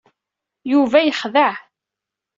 Yuba yexdeɛ.